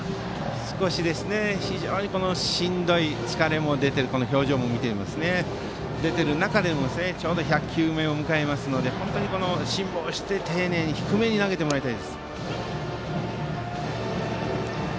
少ししんどい、疲れも出て表情を見ても出ている中でちょうど１００球目を迎えましたので辛抱して丁寧に低めに投げてもらいたいです。